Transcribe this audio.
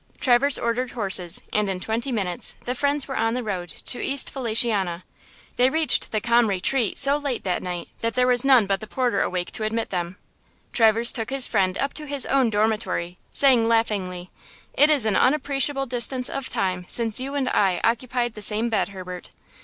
Traverse ordered horses, and in twenty minutes the friends were on the road to East Feliciana. They reached the "Calm Retreat" so late that night that there was none but the porter awake to admit them. Traverse took his friend up to his own dormitory, saying, laughingly: "It is an unappreciable distance of time since you and I occupied the same bed, Herbert."